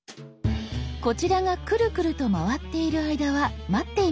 こちらがクルクルと回っている間は待っていましょう。